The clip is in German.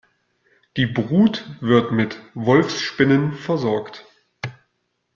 Die Brut wird mit Wolfsspinnen versorgt.